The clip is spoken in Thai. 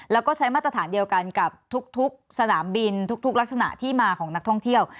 แล้วก็ใช้มาตรฐานเดียวกันกับทุกสนามบินทุกลักษณะที่มาของนักท่องเที่ยว